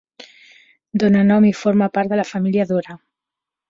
Dóna nom i forma part de la família Dora.